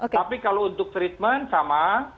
tapi kalau untuk treatment sama